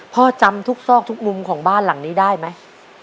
จำทุกซอกทุกมุมของบ้านหลังนี้ได้ไหม